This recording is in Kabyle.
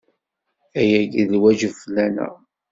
Ayagi d lwajeb fell-aneɣ.